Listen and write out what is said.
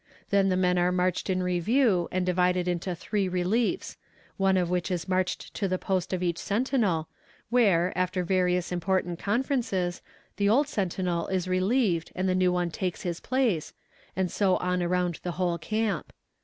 Then the men are marched in review, and divided into three reliefs one of which is marched to the post of each sentinel, where, after various important conferences, the old sentinel is relieved and the new one takes his place, and so on around the whole camp.